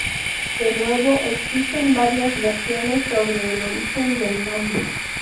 De nuevo existen varias versiones sobre el origen del nombre.